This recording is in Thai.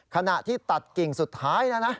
ขณะที่ตัดกิ่งสุดท้ายนะนะ